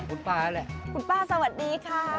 คุณป้าสวัสดีค่ะ